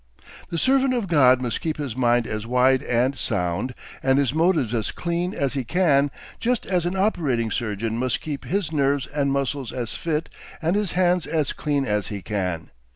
The servant of God must keep his mind as wide and sound and his motives as clean as he can, just as an operating surgeon must keep his nerves and muscles as fit and his hands as clean as he can.